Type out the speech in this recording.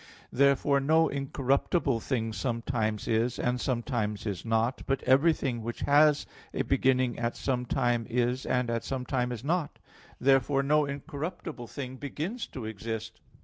Therefore no incorruptible thing sometimes is, and sometimes is not: but everything which has a beginning at some time is, and at some time is not; therefore no incorruptible thing begins to exist.